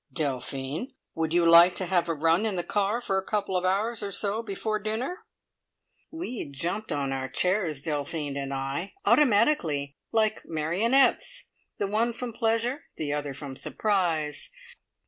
"Delphine, would you like to have a run in the car for a couple of hours or so before dinner?" We jumped on our chairs, Delphine and I, automatically, like marionettes, the one from pleasure, the other from surprise.